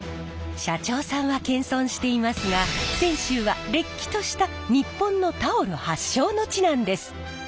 社長さんは謙遜していますが泉州はれっきとした日本のタオル発祥の地なんです。